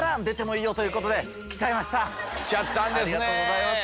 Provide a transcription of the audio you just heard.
ありがとうございます。